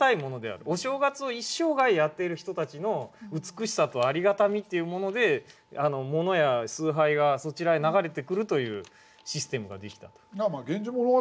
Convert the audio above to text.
お正月を一生涯やっている人たちの美しさとありがたみっていうもので物や崇拝がそちらへ流れてくるというシステムが出来たと。